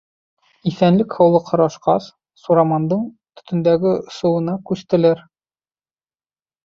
Иҫәнлек-һаулыҡ һорашҡас, Сурамандың төтөндәге осоуына күстеләр.